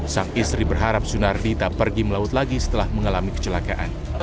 sang istri berharap sunardi tak pergi melaut lagi setelah mengalami kecelakaan